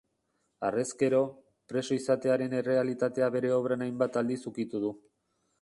Harrezkero, preso izatearen errealitatea bere obran hainbat aldiz ukitu du.